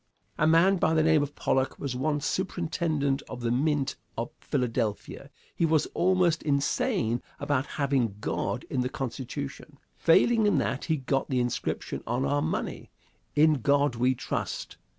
A man by the name of Pollock was once superintendent of the mint of Philadelphia. He was almost insane about having God in the Constitution. Failing in that, he got the inscription on our money, "In God we Trust."